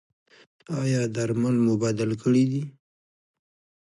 ایا درمل مو بدل کړي دي؟